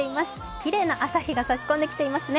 きれいな朝日が差し込んできていますね。